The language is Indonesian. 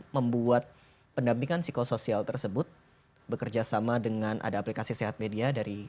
membuat pendampingan psikosoial tersebut bekerja sama dengan ada aplikasi sehat media dari